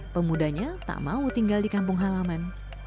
pemudanya tak mau tinggal di kampung halaman